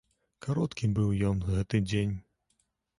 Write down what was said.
Кароткі быў ён, гэты дзень.